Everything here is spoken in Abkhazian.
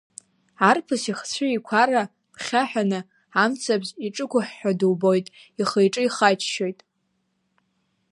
Арԥыс ихцәы еиқәара ԥхьаҳәаны, амцабз иҿықәҳәҳәо дубоит, ихы-иҿы ихаччоит.